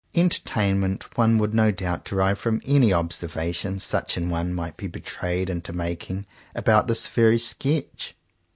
Entertainment one would no doubt derive from any observations such an one might be betrayed into making about this very sketch.